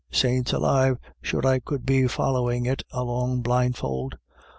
Saints alive, sure I could be follying it along blindfold.